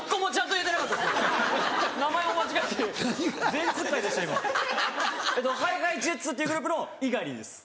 えっとＨｉＨｉＪｅｔｓっていうグループの猪狩です。